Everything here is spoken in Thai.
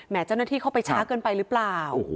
เจ้าหน้าที่เข้าไปช้าเกินไปหรือเปล่า